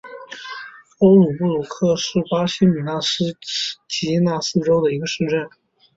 欧鲁布兰科是巴西米纳斯吉拉斯州的一个市镇。